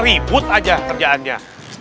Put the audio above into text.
ribut aja kerjaannya